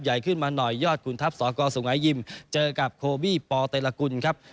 ใหญ่ขึ้นมาหน่อยยอดขุนทัพสกสุงหายิมเจอกับโคบี้ปเตรกุลครับ